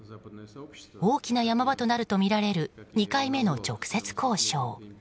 大きな山場となるとみられる２回目の直接交渉。